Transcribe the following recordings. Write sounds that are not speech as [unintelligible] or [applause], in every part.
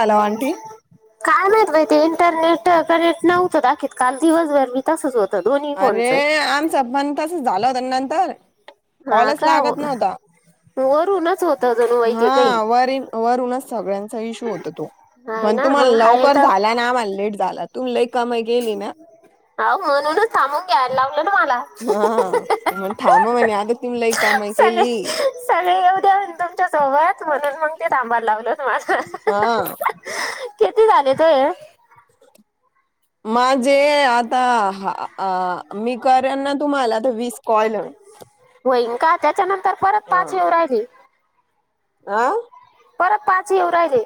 Hello आटी! काय माहीत बाई ते इंटरनेट कनेक्ट नव्हतं दाकीत काल दिवसभर भी. तसच होत दोन्ही फोनचं अरे! आमचं पण तस झालं होत नंतर. हा कॉलच का व- लागत नव्हता. वरूनच होतं जणू बाई ते काही हा वर वरूनच सगळ्यांचा इशू होत तो. हाय म्हण ना तुम्हाला मग हाय लवकर तर झाला ना आम्हाला लेट झाला. तुम लई कमाई गेली ना हाव म्हणूनच थांबून घ्यायला लावलं ना मला हा म थांब म्हणे आता तुम लई कमाइ सगळे केली. सगळे येऊ द्या तुमच्या सोबत म्हणून मग ते थांबायला लावलं तुम्हाला हा किती झाले ते? माझे आता मी करेन ना तुम्हाला तर वीस कॉल. होईन का त्याच्या नंतर परत हा पाचवी राहिली. आ परत पाच येऊ राहिले.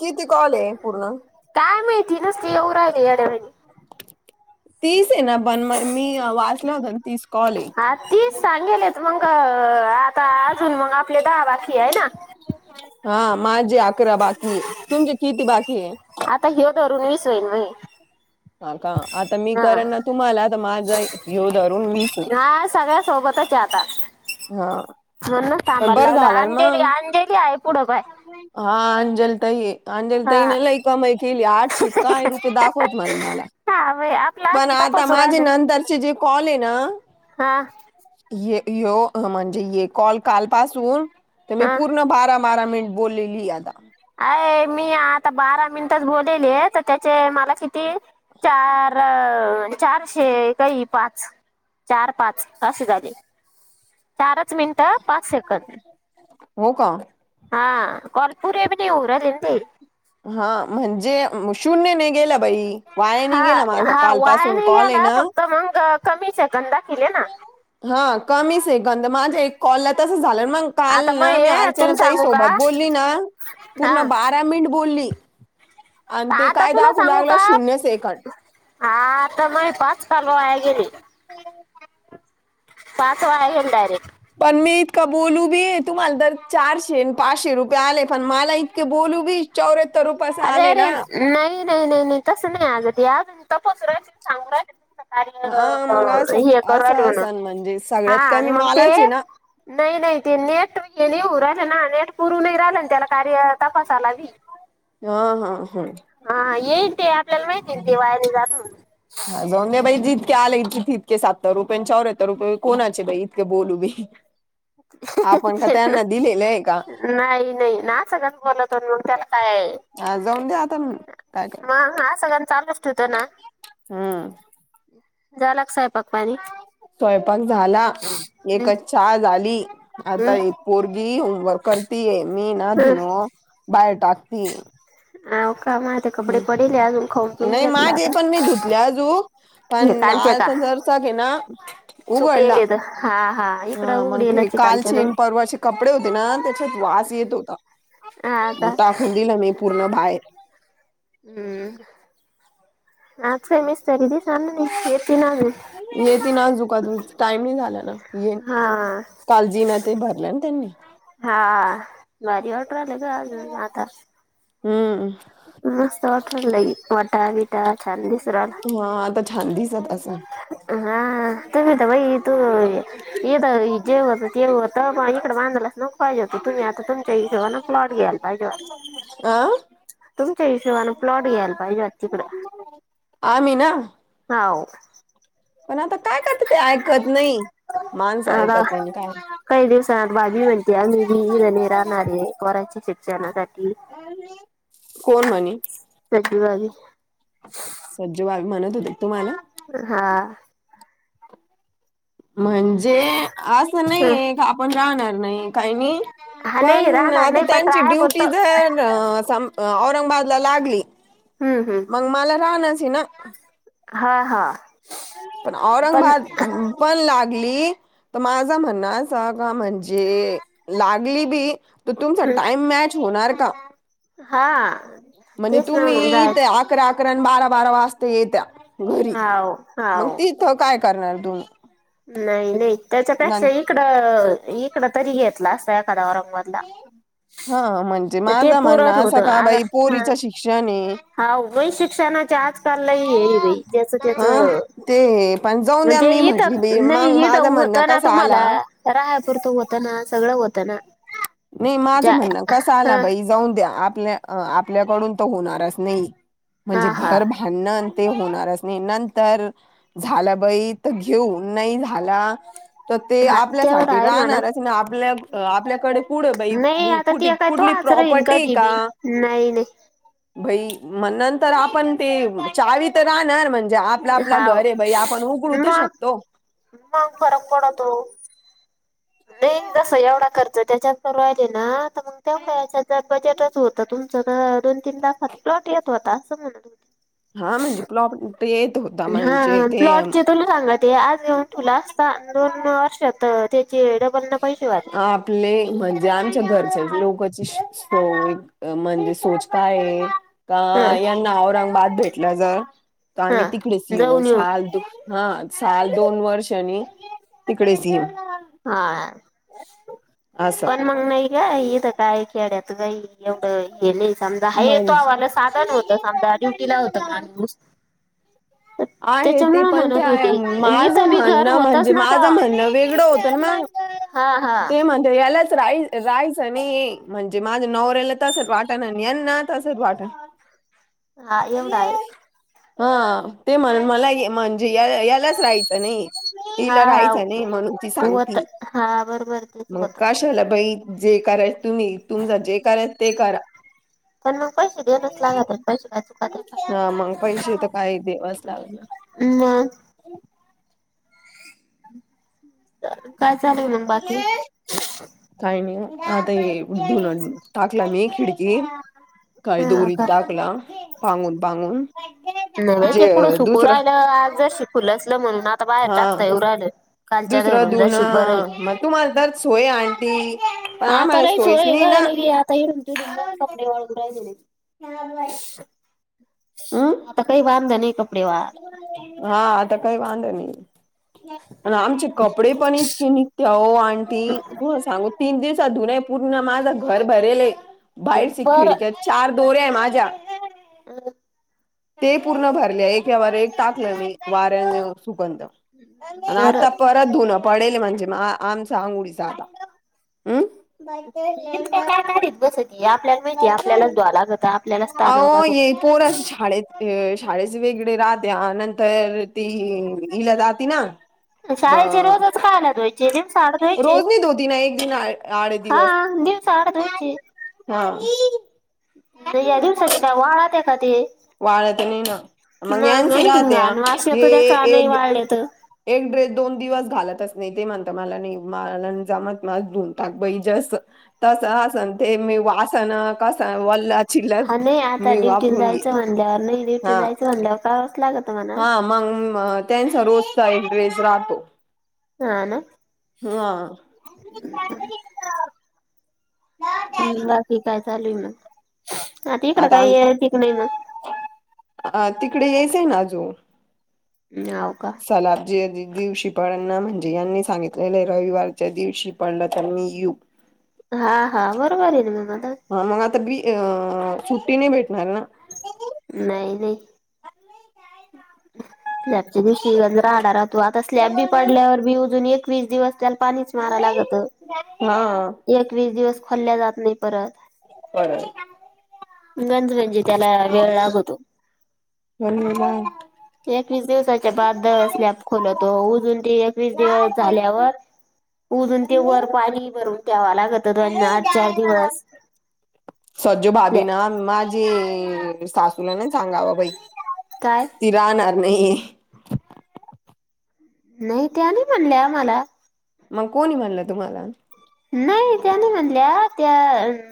किती कॉल आहे पूर्ण. काय माहिती नुसती येऊ राहिले. येड्यावाणी तीस आहे ना पण म मी वाचले होते. तीस कॉल आहे. हा तीस सांगेल मग आता अजून मग आपले दहा बाकी आहे ना. हा माझी अकरा बाकी हाय. तुमचे किती बाकी ये?? आता हो दरून विस होईल बाई. ह का आता मी करेन ना तुम्हाला आता माझा घ्यऊ धरून वीस होईल. हा सगळ सोबत आता हा म्हणूनच पण थांबायला बरं लावलं झालं ना अंजेरी मग. अंजेरी आहे पुढं काय हा अंजल ताई हे. अंजली हा ताईनं लई कमाई केली आठशे एक रुपये दाखवत मला मला सा होय. पण आता माझे नंतरचे जे कॉल आहे ना. हा हे ह्यो म्हणजे हे कॉल काल पाासून मी हा पूर्ण बारा बारा मिनट बोलेली याला. अ मी आता बारा मिनिटच बोललेली आहे. तर त्याचे मला किती चार चारशे काही पाच चार पाच असे झाले चारच मिनटं पाच सेकड. हो का हा कॉल पुरे भी होऊन नाही राहिले ते हा म्हणजे शून्य नाही गेल बाई. वाया नाही हा गेला माझा हा वाया कालपासून नाही कॉल आहे गेला ना फक्त मग कमीच सेकंद केले ना. हा कमी सेकं द माझ्या एक कॉलला तसं झालं मग काल आता मग ना मी हे अर्चना तुला तई सांगू का सोबत बोलली ना. हा मिनट बोलली आणि ते आता काय दाखवू लागला शून्य सेकंड. हा आता म पाच कॉल वाया गेले. पाच वाया गेले डायरेक्ट. पण मी इतकं बोलू बी तुम्हाला तर चारशे पाचशे रुपये आले पण मला इतके बोलू बी. चौऱ्याहत्तर रुपयच अरे आले अरे ना. नाही नाही नाही नाही तसं नाही आलं ते आजुन इथ तपासून राहिले. सांगून राहिले ना हा मग ते. काय असं हे करून असं असं म्हणजे सगळ्यात राहिले कमी मग ते मालाच आहे हा ना ते. नाही नाही ते नेट हे नाही राहिलं ना नेट पुरू नाही राहिलं ना त्याला कार्य तपासायला बी. हा हा हा. हा येईन ते आपल्याला माहिती ये ना ते वाया नाही जात म्हणून हा जाऊ दया बाई जितके आले इ तितकेचं [unintelligible] पण चौयातर रुपये कोणाचे बई इतके बोलू बी [inaudible] आपण का त्यांना दिलेले आहे का नाही नाही ना असं कस बोलतो नं मंग त्याला काय हा जाऊन द्या आता काय कर म हा असं सगळ्यांना चालू ठेवत ना हम्म झाला का सैयंपाक? स्वयंपाक झाला हम्म एकच चहा झाली आता हम्म ही पोरगी होमवर्क मी ना धुनो बाहेर टाकती. अव का माझे कपडे पडले अजून खाऊन हम्म पिऊन नाय घेतला माझे आता पण नाय धुतले आजूक हे पण आता जरसक ये ना सुकेलेत हा हा ह इकडं मंग ते उघडेलच कालच्या कालचे तर आणि परवाचे कपडे होते ना त्याच्यात वास येत होता. आ का? मग टाकून दिलं मी पूर्ण बाहेर हम्म आज काय मिस्तरी दिसा ना नाही येते ना अजून येतीनं आजुक तुमंच टाइम नाय झाला ना येनं हा काल जीना तेनं भरला ना त्यांनी हा भारी वाटू राहिल ग अजून आता हम्म मस्त वाटू लागल लय ओटा बिटा छान दिसू राहिला. हा आता छान दिसत असन हा तुम्ही तर बाई तू इथं जे होत ते होत इकडे बांधालाच नको पाहिजे होत तुम्ही आता तुमच्या हिशोबानं प्लॉट घ्यायला पाहिजे होता अ तुमच्या हिशोबानं प्लॉट घ्यायला पाहिजे होता तिकड आम्ही ना हाव पण आता काय करती ते ऐकत नाई माणसं आता ऐकत नाही नं काय काही दिवसात भाभी म्हणते आम्ही बी इद नाही राहणार ये पोरांच्या शिक्षणासाठी कोण म्हणे? [unintelligible] भाभी सज्जू भाभी म्हणत होती तुम्हाला हा. म्हणजे असं हं. नाहीये का आपण राहणार नाही काय नीं हा नाही पण राहणार आता नाही पण त्यांची ड्युटी राहापुरतं जर अ सम औरंगाबादला लागली हूं हूं मंग मला राहणारच ये ना हा हा. पण पण औरंगाबाद पण लागली त माझ म्हणणा असा का म्हणजे लागली बी त तुमचा हम्म टाइम मॅच होणार का? हा म्हणजे तेच ना मग तुम्ही इथे जायचं आक अकरा अकरा अन बारा बारा वाजता येत्या घरी हाव मग हाव तिथं काय करणार तूम्ही नाही नाही त्याच्यापेक्षा इकडं इकडं तरी घेतला असता एखाद्या औरंगाबादला. हा म्हणजे तर ते माझं म्हणणं पुरत असं होतं का आता बाई पोरीच शिक्षण आहे. हा वई शिक्षणाच्या आजकाललाही हेई जच त्याच अ ते. पण जाऊन द्या म्हणजे मी इथ म्हटली बी मग नाही इथ माझा होत म्हणणं ना कसा तुम्हाला आला राहा पुरतं होत ना सगळं होतं ना. नाही माझं ज्या म्हणण कसं आला हा बाई. जाऊन द्या आपल्या आपल्याकडून तर होणारच नाही म्हणजे हा हा घर हन ते होणारच नाही नंतर. झालं बाई तर घेऊ नाही झाला. तर ते हा तेवढं आपल्यासाठी आहे म्हणा राहणारच नाही आपल्या आपल्याकडे कुठ बाई नाही कु आता ते काय कुठली तोच राहीन प्रॉपर्टी आहे कधी का? बी नाही नाही भाई म्हण नंतर आपण ते चावी तर राहणार म्हणजे ते आपलं आपलं हाव घर आहे बाई आपण उघडतू मग शकतो. मग, फरक पडतो. नाही. जस एवढा खर्च त्याच्यात तर राहिले ना मग त्यामुळे जर बजेटच होतं तुमचं तर दोन तीन लाखात प्लॉट येत होता असं म्हणत होत. हा म्हणजे प्लॉप येत होता म्हणजे हा ते प्लॉटचे तुला सांगा ते आज येऊन तुला असता दोन वर्षात त्याचे डबलना पैसे वाढले. आपले म्हणजे आमच्या घरच्या लोकची म्हणजे सोच का आहे. अ ह यांना औरंगाबाद भेटलं जर, तर आम्ही हा तिकडेच येऊ. जाऊन येऊन [inaudible] हा, साल दोन वर्षांनी तिकडेच येऊ. हा. असं पण मग नाही ग, इथं काय खेड्यात काई एवढं हे नाही समजा, हाय म्हणजे तुहावल साधन होतं. समजा ड्युटी ला होत माणूस. अ आहे ते त्याच्यामुळ पण ते म्हणत आहे होते, इथ माझं बी घर म्हणणं होतच म्हणजे ना ग माझं म्हणणं वेगळं होतं ना मग हा-हा [inaudible] यालाच राई राईस आणि म्हणजे माझं नवरऱ्याला तसंच वाटान आणि यांना तसंच वाटान. हा एवढा आहे हा ते म्हणन मला, म्हणजे या यालाच राहायचं नाहीये. हा तिला हा राहायचं नाही, म्हणून ती होत सांगती हा बरोबर तेच मग होत कशाला बाई जे कराय तुम्ही, तुमज जे कराय ते करा. पण मग पैसे देणच लागत पैसे काय चुकात का हा, मग पैसे तर काय देवास हो म काय चालूय मग बाकी काय नाही. आता ये धून टाकला मी खिडकीत काय ह दरीत का टाकलं पांगून पांगून. नाही-नाही जे तेकडं सुकू दुसरं राहिलं आज जरासा खुलसल, म्हणून आता बाहेर हा टाकता येऊ राहिलं. कालच्या दुसरं धरून धून जशी बरं आहे मग, तुम्हाला तर सोय आंटी आता लई सोय ए ग, एढून-तिढून गन कपडे वाळू राहिलेले. ह भाय [inaudible] आता काही वांद नाही कपडे वळायला. हा आता काही वंदा नाही. अन आमचे कपडे पण इतके निघते आहो आंटी तुम्हाला सांगते तीन दिवसा धुने पूर्ण माझं घर भरेले, बाहेरशी खिडक्या बरं चार दोऱ्याये माझ्या. [unintelligible] ते पूर्ण भरले एकावर-एक टाकलं मी वाऱ्यान सुकनत. आणि बरं आता परत धुन पडेल म्हणजे म आमचा आघोळीच आता. हम्म [inaudible] इतके काय काढीत बसती आपल्याला माहितीय आपल्यालाच धुवा लागत आपल्यालाच तानाव लाग पोर शाळेत शाळेच वेग राहते नंतर ती हिला जाते ना शाळेचे रोजच कायला धूव्हायचे दिवसाआड धूव्हायचे, रोज नाही धुती ना एक दिन आड हा दिवस दिव आड धुवायचे. हा. नाही या दिवसाचे काय वळते का ते? वाळत नाही ना मग मंग यांची आणखीन राहत्या घान वास हे येतो त्याचा नाही एक वाळले तर. एक ड्रेस दोन दिवस घालतच नाही ते म्हणता मला नाही मला जमत धुन टाक बई जस तसंन ते मी वासन कसं वल्. चिलाप, हा नाही आता मी वापरून घे, हा. मानल्याव काय वास लागतला म्ह हा मग त्यांचा रोजचा एक ड्रेस राहतो. हा ना. हा. हम् बाकी काय चालू आहे मग, आता इकडं काही येतीक नाही मग? अ तिकडे यायचंय ना अजू म्याँव. चला जे अधिक दिवशी पण म्हणजे यांनी सांगितलेल रविवारच्या दिवशी पडलं तर मी येऊ. हा हा बरोबर आहे ना म [unintelligible] हा मग आता बी सुट्टी नाही भेटणार ना. नाही नाही. स्लॅबच्या दिवशी अन राडा राहतो आता स्लॅब बी पडल्यावर बी अजून एकवीस दिवस त्याला पाणीच माराव लागत, हा एकवीस दिवस खोलल्या जात नाही परत. परत गंज म्हणजे त्याला वेळ लागवतो. बोल ना. एकवीस दिवसाच्या बाद स्लॅब खोलोतो उजून ते एकवीस दिवस झाल्यावर उजून ते वर पाणी भरून ठेवा लागत. दोन आठ चार दिवस स्जो भााभी ना माझी सासूला नाही सांगावा बाई. काय? ती राहणार नाही. नाही त्या नाही म्हणल्या मला. मग कोणी म्हणलं तुम्हाला? नाही त्या नाही म्हणल्या त्या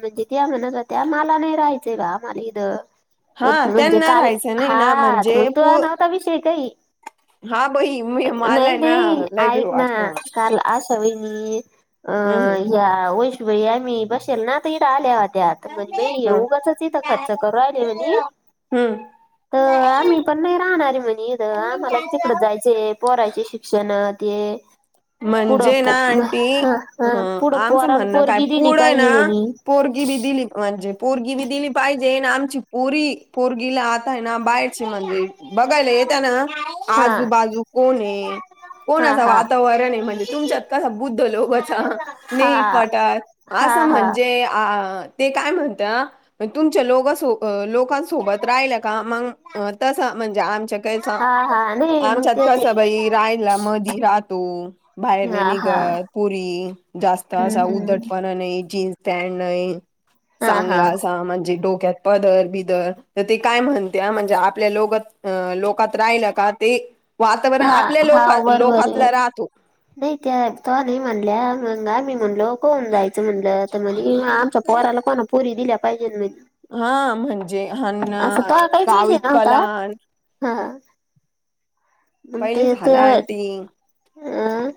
म्हणजे त्या म्हणत होत्या मला नाही राहायचंय [unintelligible] बा मला इथं. हा म्हणजे त्यांना काल, राहायचं नाही ना हा त म म्हणजे तुझा पो नव्हता विषय काही. हा बई मी मला नाही, आहे नाही ना लय बी ऐक वाटत ना मला. काल आशा वहिनी अ हम्म हम्म या वैशुबाई मी बसेल ना त इड आल्या त्यात म्हणे बाई हा येऊगच इथं खर्च करू आहिले म्हणे हम्म तर आम्ही पण नाही राहणार आहे म्हणे आम्हाला तिकड जायचय पोरायचे शिक्षण ते पुढं म्हणजे ना पो आंटी हा अ हा पुढं आमचं पोराला म्हणणं काय पोरगी दिली पुढं पाहिजे ना म्हणे पोरगी बी दिली म्हणजे, पोरगी बी दिली पाहिजे ना आमची पोरी पोरगीला आत यना बाहेर म बघायला येता ना हा आजूबाजू कोण आहे कोण हा असा हा वा [unintelligible] म्हणजे तुमच्यात कसा बुद्ध लोगचा हा नाही पटात हा असं हा म्हणजे अ ते काय म्हणता तुमच्या लोका लोकांसोबत राहिल का मग तसं म्हणजे आमच्या काय स हा हा नाही मग आमच्यात ते ते कस बाई रायला मधी राहतो. बाहेर नाही हा हा निघत पोरी जास्त हम्म असा हम्म उदटपणा नाही जीन्स त्या नाही हा हा चांगला असा म्हणजे डोक्यात पदर बिदर तर ते काय म्हणते म्हणजे आपल्या लोक लोकात राहिल का ते वातावरण हा आपल्या हा लोक बरोबर लोकातला बरोबर राहतो. नाही त्या तो नाही म्हणल्या मंगा मी म्हणलो कोण जायचं म्हण तर म्हणे आमच्या पोराला कोणा पोरी दिल्या पाहिजे म्हणे हा म्हणजे हन्न असं तवा काहीच गाव विषय इतक नव्हता लहाण हा.. मग पहिले ते ते झाला आंटी. अ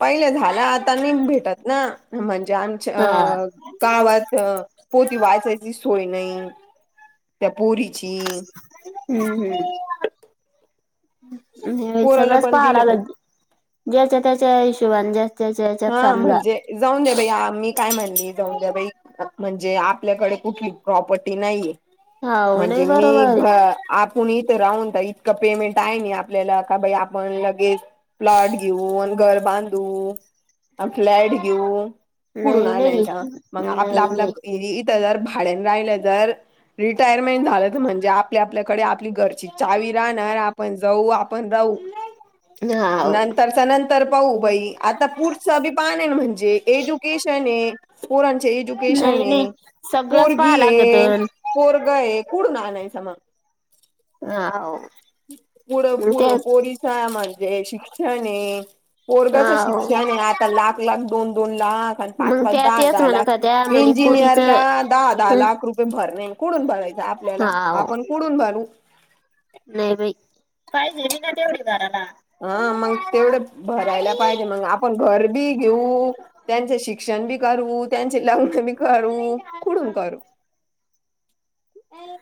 पहिले झाला आता नाही भेटत ना म्हणजे आम्ही च हा अ.. गावात पोती वाचायची सोय नाहीय. त्या पोरीची हे पोराला सगळंच पण पाहा दिलं लागन ज्याच्या त्याच्या हिशोबान ज हा म्हणजे जाऊन द्या बाई मी काय म्हणली जाऊन द्या बाई म्हणजे आपल्याकडे कुठली प्रॉपर्टी नाहीये हाव नाही म्हणजे बरोबर मी आहे घ कोणी इथं राहून इतकं पेमेंट आहे ना आपल्याला का बाई आपण लगेच प्लाट घेऊन घर बांधून फ्लॅट घेऊ कुडून नाही नाही आणण्याचा मग आपला, नाही आपला नाही इथं जर भाडेन राहिले तर रिटायरमेंट झालं तर म्हणजे आपली आपल्याकडे आपली घरची चावी राहणार पण जाऊ आपण राहू हाव नंतरच्या नंतर पाहू बाई आता पुढचं पुढचभी पाहन म्हणजे एज्युकेशन आहे पोराचं एजुकेशन नाही नाही आहे सगळंच पोरगी पाहावं आहे, लागतं पोरग आहे कुडून आणायचं मग. ह हाव. पुर मग ते पुर पोरिसा म्हणजे शिक्षण आहे. पोरगाच हाव शिक्षण आहे आता लाख, लाख दोन, दोन लाख पाच, मग पाच, त्या दहा, तेच दहा म्हणत होत्या लाख म्हणे इंजिनियर पोरीच ला दहा, दहा लाख रुपये ते भरणं कुडून भलरायचं आपल्याला हाव आपण कुडून भरू नाही बाई पाहिजे मी ना तेवढी भराला हा मग तेवढं भरायला पाहिजे मग आपण घर भी घेऊ त्यांचे शिक्षण बी करू त्यांचे लग्न बी करू कुडून करू अ.. इ. [inaudible]